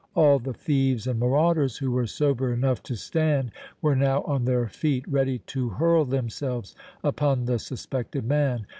All the thieves and marauders who were sober enough to stand were now on their feet, ready to hurl themselves upon the suspected man.